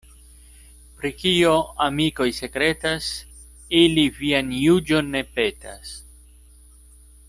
Pri kio amikoj sekretas, ili vian juĝon ne petas.